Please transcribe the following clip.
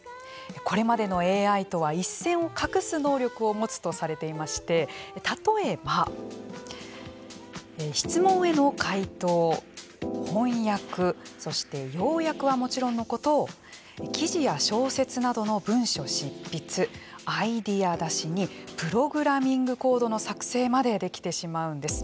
これまでのＡＩとは一線を画す能力を持つとされていまして例えば、質問への回答、翻訳そして要約はもちろんのこと記事や小説などの文書執筆アイデア出しにプログラミングコードの作成までできてしまうんです。